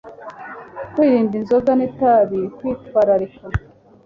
Kwirinda inzoga n'itabi, Kwitwararika